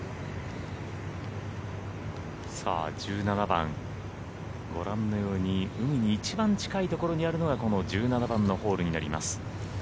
１７番海に一番近いところにあるのがこの１７番のホールになります。